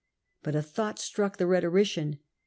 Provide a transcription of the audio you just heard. But a thought struck the rhetorician.